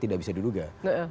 tidak bisa diduga